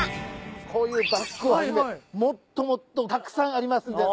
こういうバッグをはじめもっともっとたくさんありますんで。